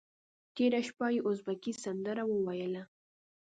تېره شپه یې ازبکي سندره وویله.